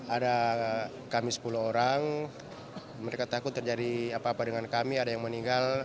ada kami sepuluh orang mereka takut terjadi apa apa dengan kami ada yang meninggal